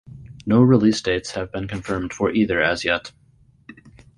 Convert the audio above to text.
No release dates have been confirmed for either as yet.